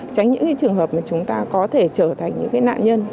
tránh những trường hợp mà chúng ta có thể trở thành những nạn nhân